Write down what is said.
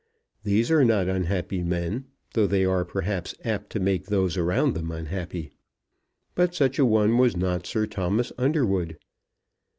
These are not unhappy men, though they are perhaps apt to make those around them unhappy. But such a one was not Sir Thomas Underwood.